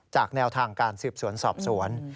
แนวทางการสืบสวนสอบสวน